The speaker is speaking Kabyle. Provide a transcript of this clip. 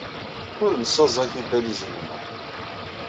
Ur nessaẓay tibalizin-nneɣ.